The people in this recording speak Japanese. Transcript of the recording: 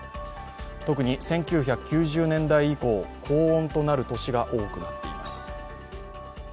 特に１９９０年代以降高温となる年が多くなっています。